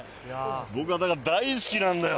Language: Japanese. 僕はだから大好きなんだよ。